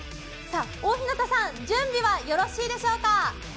大日向さん、準備はよろしいでしょうか？